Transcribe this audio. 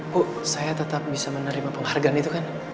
bu saya tetap bisa menerima penghargaan itu kan